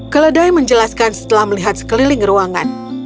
keledai menjelaskan setelah melihat sekeliling ruangan